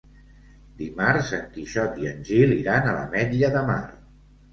Dimarts en Quixot i en Gil iran a l'Ametlla de Mar.